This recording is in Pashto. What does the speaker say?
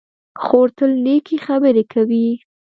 خور تل نېکې خبرې کوي.